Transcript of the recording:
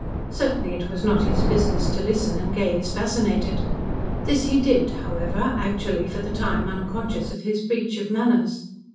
Certainly it was not his business to listen, and gaze fascinated. This he did, however, actually for the time unconscious of his breach of manners.